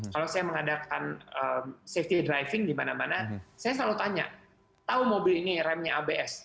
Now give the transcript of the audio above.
kalau saya mengadakan safety driving di mana mana saya selalu tanya tahu mobil ini remnya abs